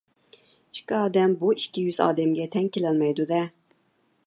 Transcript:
ئىككى ئادەم بۇ ئىككى يۈز ئادەمگە تەڭ كېلەلمەيدۇ-دە.